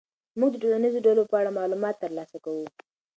موږ د ټولنیزو ډلو په اړه معلومات ترلاسه کوو.